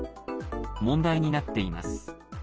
問題になっています。